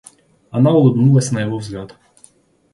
Она улыбнулась на его взгляд.